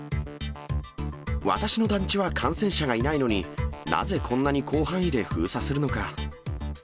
私の団地は感染者がいないのに、なぜ、こんなに広範囲で封鎖するのか。